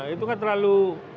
itu kan terlalu